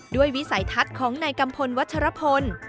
วิสัยทัศน์ของนายกัมพลวัชรพล